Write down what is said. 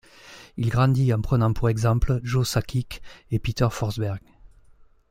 Il grandit en prenant pour exemple Joe Sakic et Peter Forsberg.